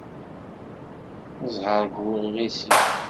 Ẓẓher bu iɣisi.